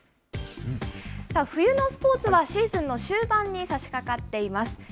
冬のスポーツは、シーズンの終盤にさしかかっています。